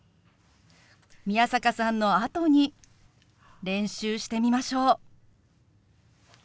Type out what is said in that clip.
宮坂さんのあとに練習してみましょう。